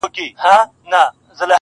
د هلمند څخه شرنګى د امېلونو٫